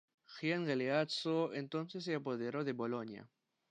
Gian Galeazzo, entonces se apoderó de Bolonia.